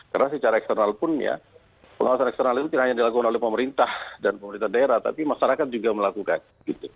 karena secara eksternal pun ya pengawasan eksternal itu tidak hanya dilakukan oleh pemerintah dan pemerintah daerah tapi masyarakat juga melakukan gitu